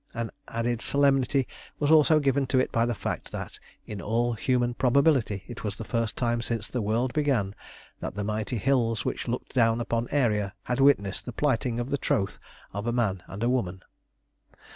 An added solemnity was also given to it by the fact that, in all human probability, it was the first time since the world began that the mighty hills which looked down upon Aeria had witnessed the plighting of the troth of a man and a woman.